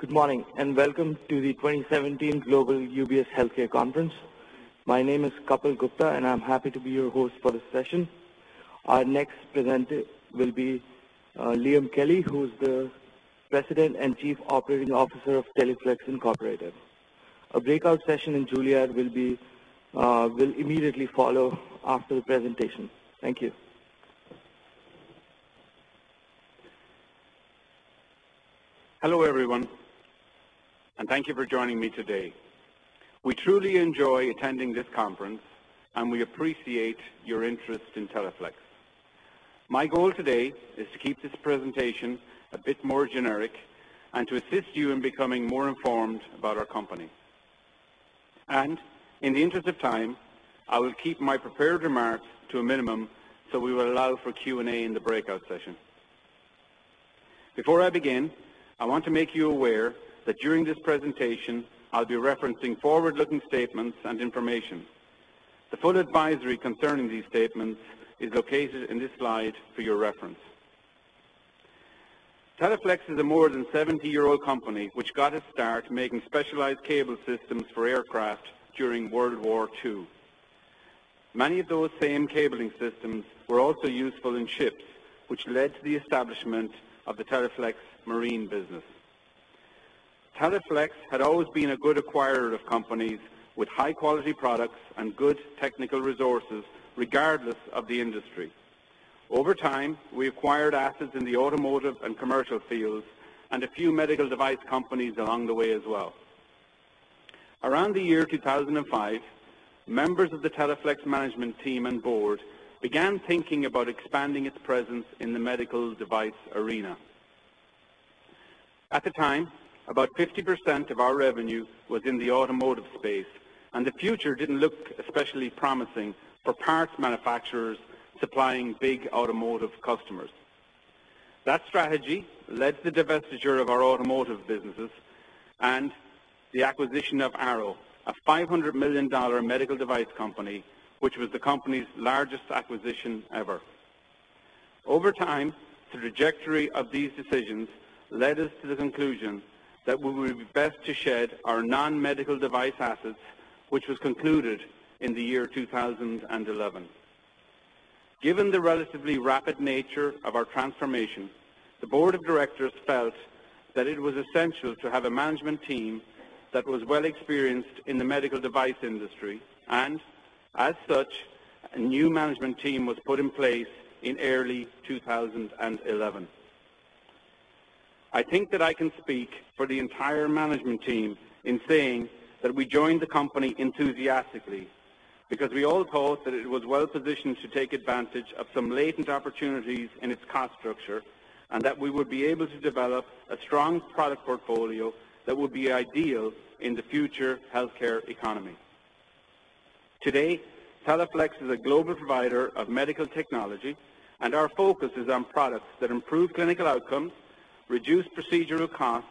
Good morning, welcome to the 2017 Global UBS Healthcare Conference. My name is Kapil Gupta, and I'm happy to be your host for this session. Our next presenter will be Liam Kelly, who is the President and Chief Operating Officer of Teleflex Incorporated. A breakout session in Juliet will immediately follow after the presentation. Thank you. Hello, everyone, thank you for joining me today. We truly enjoy attending this conference, and we appreciate your interest in Teleflex. My goal today is to keep this presentation a bit more generic and to assist you in becoming more informed about our company. In the interest of time, I will keep my prepared remarks to a minimum so we will allow for Q&A in the breakout session. Before I begin, I want to make you aware that during this presentation, I'll be referencing forward-looking statements and information. The full advisory concerning these statements is located in this slide for your reference. Teleflex is a more than 70-year-old company, which got its start making specialized cable systems for aircraft during World War II. Many of those same cabling systems were also useful in ships, which led to the establishment of the Teleflex marine business. Teleflex had always been a good acquirer of companies with high-quality products and good technical resources, regardless of the industry. Over time, we acquired assets in the automotive and commercial fields and a few medical device companies along the way as well. Around the year 2005, members of the Teleflex management team and board began thinking about expanding its presence in the medical device arena. At the time, about 50% of our revenue was in the automotive space, and the future didn't look especially promising for parts manufacturers supplying big automotive customers. That strategy led to the divestiture of our automotive businesses and the acquisition of Arrow, a $500 million medical device company, which was the company's largest acquisition ever. Over time, the trajectory of these decisions led us to the conclusion that we would be best to shed our non-medical device assets, which was concluded in the year 2011. Given the relatively rapid nature of our transformation, the board of directors felt that it was essential to have a management team that was well experienced in the medical device industry, and as such, a new management team was put in place in early 2011. I think that I can speak for the entire management team in saying that we joined the company enthusiastically because we all thought that it was well-positioned to take advantage of some latent opportunities in its cost structure, and that we would be able to develop a strong product portfolio that would be ideal in the future healthcare economy. Today, Teleflex is a global provider of medical technology, and our focus is on products that improve clinical outcomes, reduce procedural costs,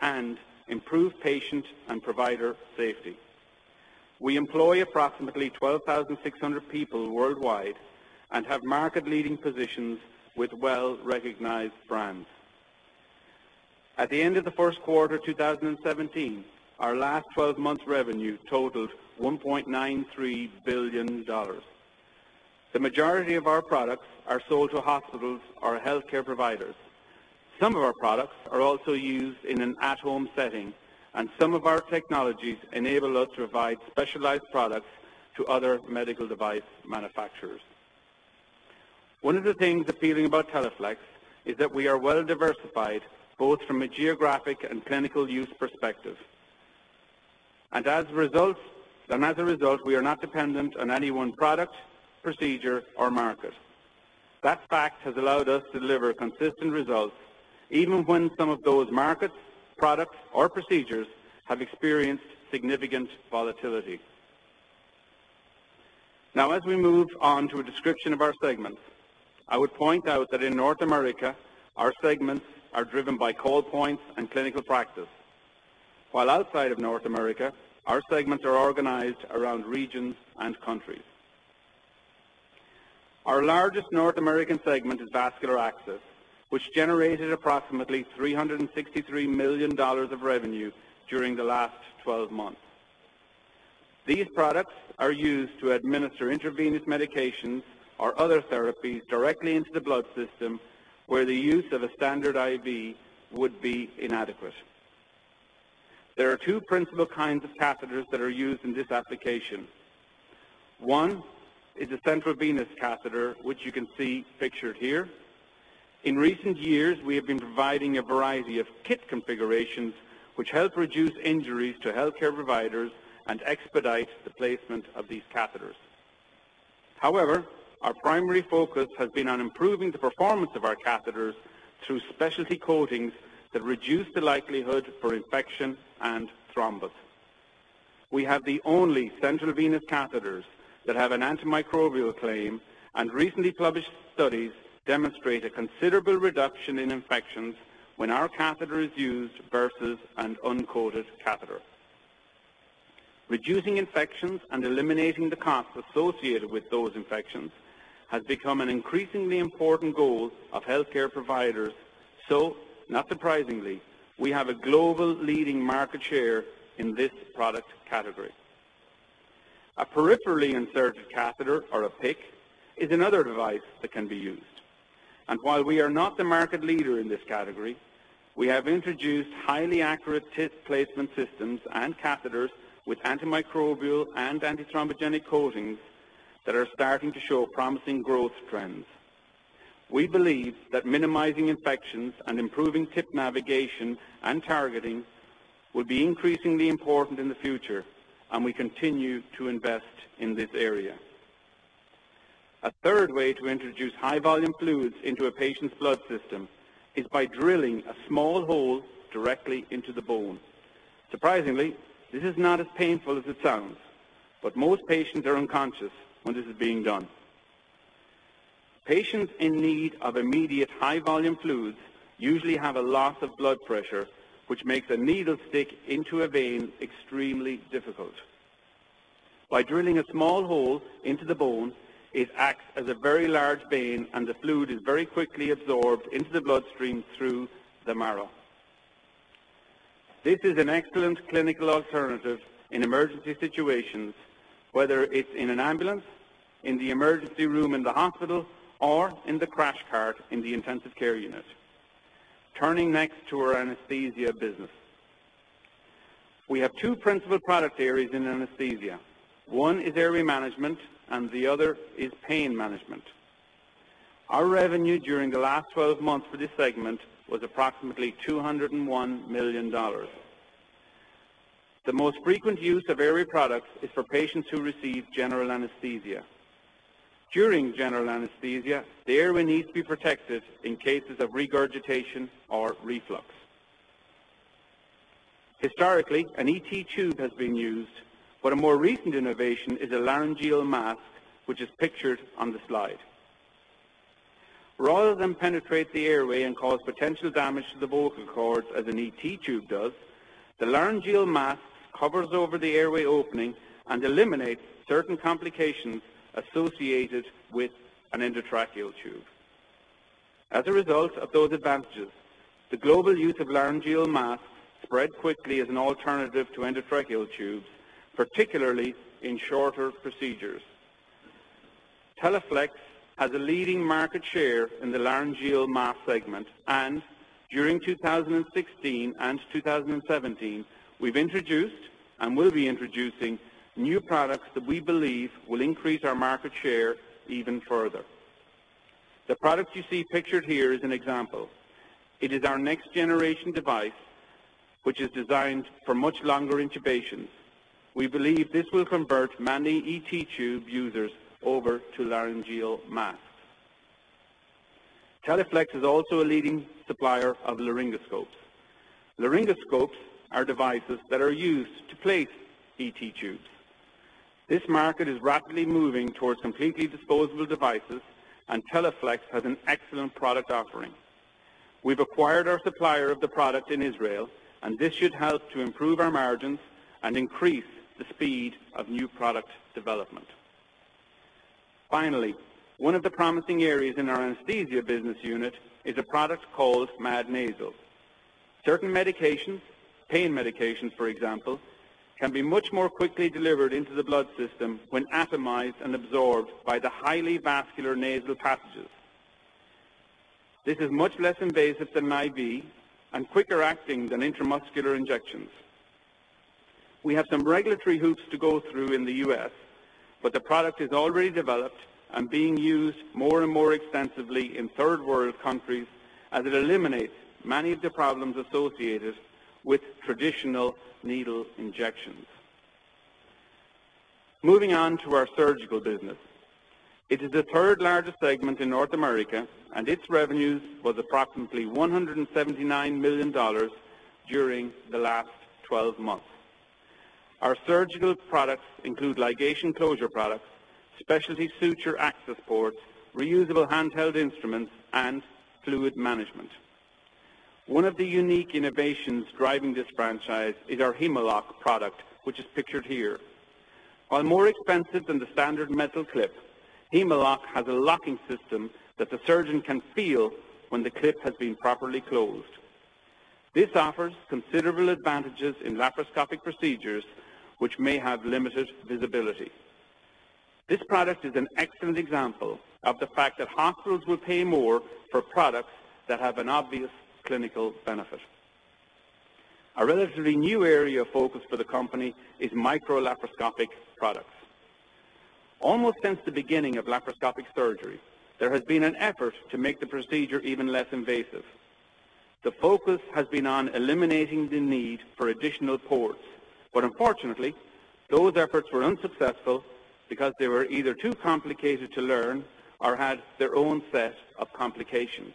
and improve patient and provider safety. We employ approximately 12,600 people worldwide and have market-leading positions with well-recognized brands. At the end of the first quarter 2017, our last 12 months revenue totaled $1.93 billion. The majority of our products are sold to hospitals or healthcare providers. Some of our products are also used in an at-home setting, some of our technologies enable us to provide specialized products to other medical device manufacturers. One of the things appealing about Teleflex is that we are well-diversified, both from a geographic and clinical use perspective. As a result, we are not dependent on any one product, procedure, or market. That fact has allowed us to deliver consistent results even when some of those markets, products, or procedures have experienced significant volatility. Now as we move on to a description of our segments, I would point out that in North America, our segments are driven by call points and clinical practice. While outside of North America, our segments are organized around regions and countries. Our largest North American segment is vascular access, which generated approximately $363 million of revenue during the last 12 months. These products are used to administer intravenous medications or other therapies directly into the blood system where the use of a standard IV would be inadequate. There are two principal kinds of catheters that are used in this application. One is a central venous catheter, which you can see pictured here. In recent years, we have been providing a variety of kit configurations which help reduce injuries to healthcare providers and expedite the placement of these catheters. However, our primary focus has been on improving the performance of our catheters through specialty coatings that reduce the likelihood for infection and thrombus. We have the only central venous catheters that have an antimicrobial claim, recently published studies demonstrate a considerable reduction in infections when our catheter is used versus an uncoated catheter. Reducing infections and eliminating the cost associated with those infections has become an increasingly important goal of healthcare providers. Not surprisingly, we have a global leading market share in this product category. A peripherally inserted catheter, or a PICC, is another device that can be used. While we are not the market leader in this category, we have introduced highly accurate tip placement systems and catheters with antimicrobial and antithrombogenic coatings that are starting to show promising growth trends. We believe that minimizing infections and improving tip navigation and targeting will be increasingly important in the future, we continue to invest in this area. A third way to introduce high-volume fluids into a patient's blood system is by drilling a small hole directly into the bone. Surprisingly, this is not as painful as it sounds, most patients are unconscious when this is being done. Patients in need of immediate high-volume fluids usually have a loss of blood pressure, which makes a needle stick into a vein extremely difficult. By drilling a small hole into the bone, it acts as a very large vein, the fluid is very quickly absorbed into the bloodstream through the marrow. This is an excellent clinical alternative in emergency situations, whether it's in an ambulance, in the emergency room in the hospital, or in the crash cart in the intensive care unit. Turning next to our anesthesia business. We have two principal product areas in anesthesia. One is airway management and the other is pain management. Our revenue during the last 12 months for this segment was approximately $201 million. The most frequent use of airway products is for patients who receive general anesthesia. During general anesthesia, the airway needs to be protected in cases of regurgitation or reflux. Historically, an ET tube has been used, but a more recent innovation is a laryngeal mask, which is pictured on the slide. Rather than penetrate the airway and cause potential damage to the vocal cords as an ET tube does, the laryngeal mask covers over the airway opening and eliminates certain complications associated with an endotracheal tube. As a result of those advantages, the global use of laryngeal masks spread quickly as an alternative to endotracheal tubes, particularly in shorter procedures. Teleflex has a leading market share in the laryngeal mask segment. During 2016 and 2017, we've introduced and will be introducing new products that we believe will increase our market share even further. The product you see pictured here is an example. It is our next generation device, which is designed for much longer intubations. We believe this will convert many ET tube users over to laryngeal masks. Teleflex is also a leading supplier of laryngoscopes. Laryngoscopes are devices that are used to place ET tubes. This market is rapidly moving towards completely disposable devices. Teleflex has an excellent product offering. We've acquired our supplier of the product in Israel, and this should help to improve our margins and increase the speed of new product development. Finally, one of the promising areas in our anesthesia business unit is a product called MAD Nasal. Certain medications, pain medications, for example, can be much more quickly delivered into the blood system when atomized and absorbed by the highly vascular nasal passages. This is much less invasive than an IV and quicker acting than intramuscular injections. We have some regulatory hoops to go through in the U.S., but the product is already developed and being used more and more extensively in third-world countries, as it eliminates many of the problems associated with traditional needle injections. Moving on to our surgical business. It is the third-largest segment in North America. Its revenues was approximately $179 million during the last 12 months. Our surgical products include ligation closure products, specialty suture access ports, reusable handheld instruments, and fluid management. One of the unique innovations driving this franchise is our Hem-o-lok product, which is pictured here. While more expensive than the standard metal clip, Hem-o-lok has a locking system that the surgeon can feel when the clip has been properly closed. This offers considerable advantages in laparoscopic procedures which may have limited visibility. This product is an excellent example of the fact that hospitals will pay more for products that have an obvious clinical benefit. A relatively new area of focus for the company is microlaparoscopic products. Almost since the beginning of laparoscopic surgery, there has been an effort to make the procedure even less invasive. The focus has been on eliminating the need for additional ports. Unfortunately, those efforts were unsuccessful because they were either too complicated to learn or had their own set of complications.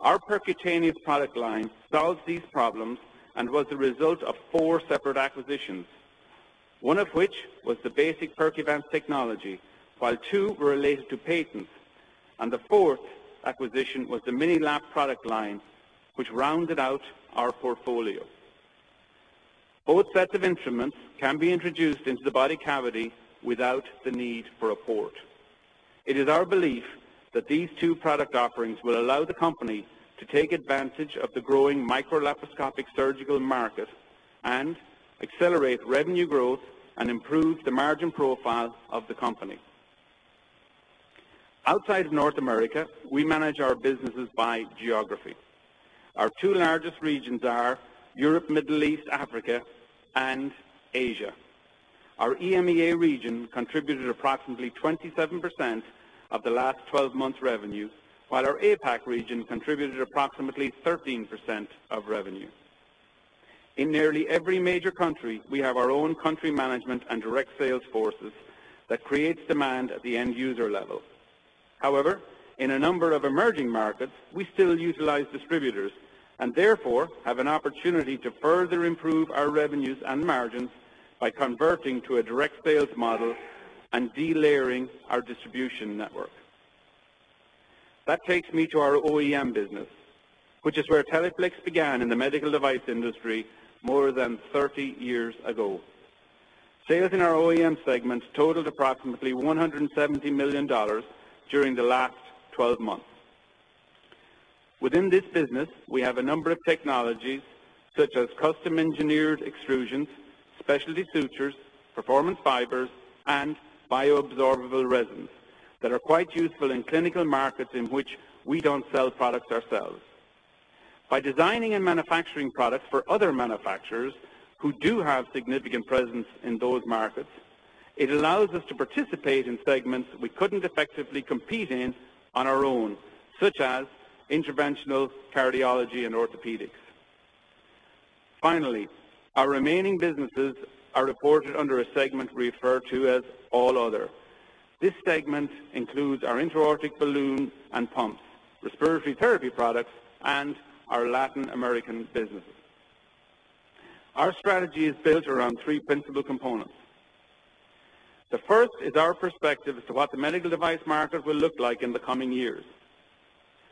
Our percutaneous product line solved these problems and was the result of 4 separate acquisitions, one of which was the basic Percuvance technology, while two were related to patents. The fourth acquisition was the MiniLap product line, which rounded out our portfolio. Both sets of instruments can be introduced into the body cavity without the need for a port. It is our belief that these two product offerings will allow the company to take advantage of the growing microlaparoscopic surgical market and accelerate revenue growth and improve the margin profile of the company. Outside North America, we manage our businesses by geography. Our two largest regions are Europe, Middle East, Africa, and Asia. Our EMEA region contributed approximately 27% of the last 12 months revenue, while our APAC region contributed approximately 13% of revenue. In nearly every major country, we have our own country management and direct sales forces that creates demand at the end user level. However, in a number of emerging markets, we still utilize distributors, and therefore have an opportunity to further improve our revenues and margins by converting to a direct sales model and delayering our distribution network. That takes me to our OEM business, which is where Teleflex began in the medical device industry more than 30 years ago. Sales in our OEM segment totaled approximately $170 million during the last 12 months. Within this business, we have a number of technologies such as custom-engineered extrusions, specialty sutures, performance fibers, and bioabsorbable resins that are quite useful in clinical markets in which we don't sell products ourselves. By designing and manufacturing products for other manufacturers who do have significant presence in those markets, it allows us to participate in segments we couldn't effectively compete in on our own, such as interventional cardiology and orthopedics. Finally, our remaining businesses are reported under a segment referred to as All Other. This segment includes our intra-aortic balloon and pumps, respiratory therapy products, and our Latin American businesses. Our strategy is built around three principal components. The first is our perspective as to what the medical device market will look like in the coming years.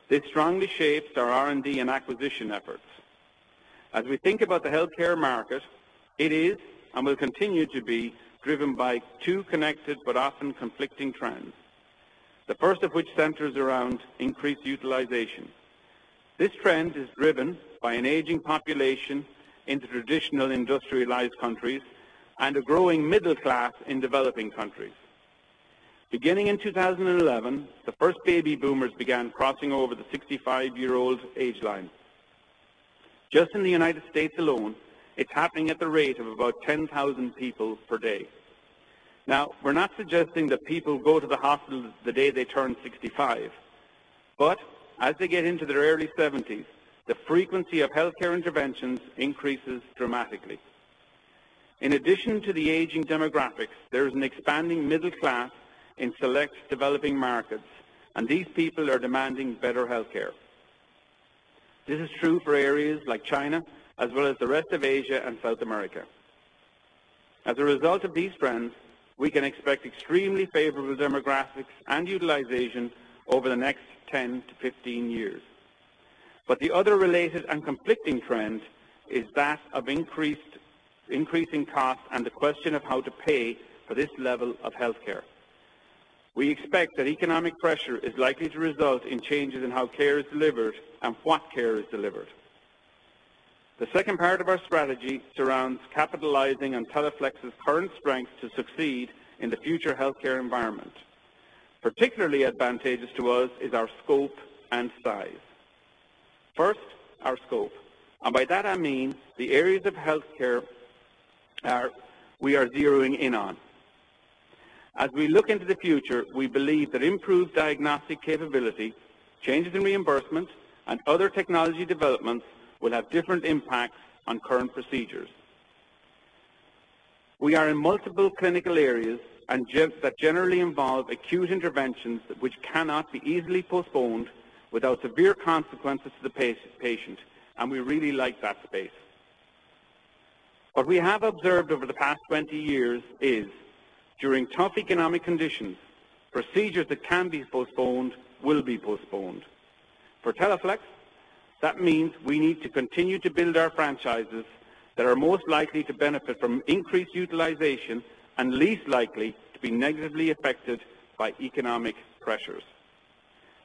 This strongly shapes our R&D and acquisition efforts. As we think about the healthcare market, it is and will continue to be driven by two connected but often conflicting trends. The first of which centers around increased utilization. This trend is driven by an aging population in the traditional industrialized countries and a growing middle class in developing countries. Beginning in 2011, the first baby boomers began crossing over the 65-year-old age line. Just in the U.S. alone, it's happening at the rate of about 10,000 people per day. Now, we're not suggesting that people go to the hospital the day they turn 65. But as they get into their early 70s, the frequency of healthcare interventions increases dramatically. In addition to the aging demographics, there is an expanding middle class in select developing markets, and these people are demanding better healthcare. This is true for areas like China as well as the rest of Asia and South America. As a result of these trends, we can expect extremely favorable demographics and utilization over the next 10-15 years. The other related and conflicting trend is that of increasing costs and the question of how to pay for this level of healthcare. We expect that economic pressure is likely to result in changes in how care is delivered and what care is delivered. The second part of our strategy surrounds capitalizing on Teleflex's current strengths to succeed in the future healthcare environment. Particularly advantageous to us is our scope and size. First, our scope, by that I mean the areas of healthcare we are zeroing in on. As we look into the future, we believe that improved diagnostic capability, changes in reimbursement, and other technology developments will have different impacts on current procedures. We are in multiple clinical areas that generally involve acute interventions which cannot be easily postponed without severe consequences to the patient, and we really like that space. What we have observed over the past 20 years is during tough economic conditions, procedures that can be postponed will be postponed. For Teleflex, that means we need to continue to build our franchises that are most likely to benefit from increased utilization and least likely to be negatively affected by economic pressures.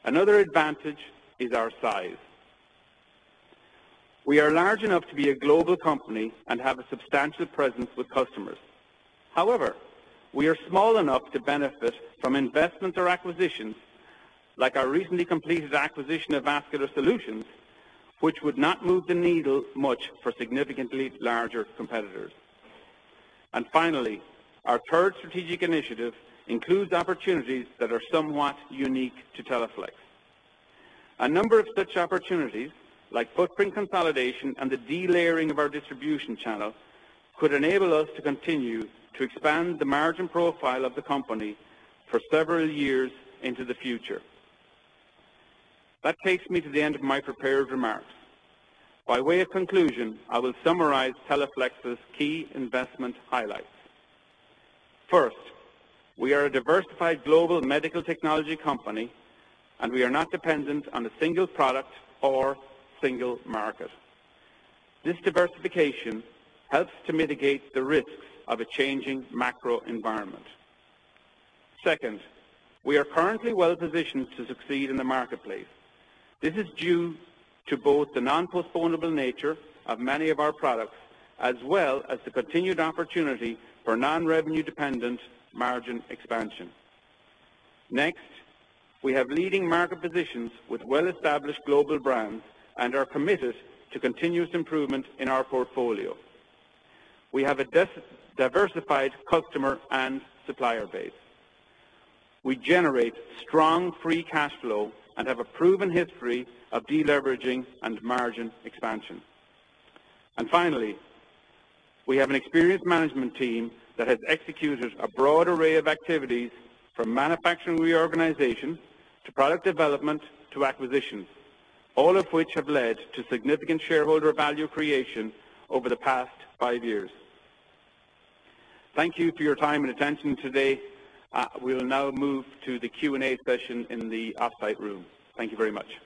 Another advantage is our size. We are large enough to be a global company and have a substantive presence with customers. However, we are small enough to benefit from investments or acquisitions, like our recently completed acquisition of Vascular Solutions, which would not move the needle much for significantly larger competitors. Finally, our third strategic initiative includes opportunities that are somewhat unique to Teleflex. A number of such opportunities, like footprint consolidation and the delayering of our distribution channel, could enable us to continue to expand the margin profile of the company for several years into the future. That takes me to the end of my prepared remarks. By way of conclusion, I will summarize Teleflex's key investment highlights. First, we are a diversified global medical technology company, we are not dependent on a single product or single market. This diversification helps to mitigate the risks of a changing macro environment. Second, we are currently well positioned to succeed in the marketplace. This is due to both the nonpostponable nature of many of our products as well as the continued opportunity for non-revenue dependent margin expansion. Next, we have leading market positions with well-established global brands and are committed to continuous improvement in our portfolio. We have a diversified customer and supplier base. We generate strong free cash flow and have a proven history of deleveraging and margin expansion. Finally, we have an experienced management team that has executed a broad array of activities, from manufacturing reorganization to product development to acquisition, all of which have led to significant shareholder value creation over the past five years. Thank you for your time and attention today. We'll now move to the Q&A session in the offsite room. Thank you very much.